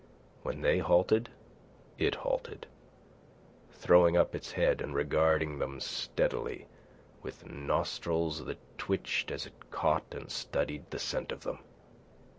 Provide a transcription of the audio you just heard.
When they halted, it halted, throwing up its head and regarding them steadily with nostrils that twitched as it caught and studied the scent of them.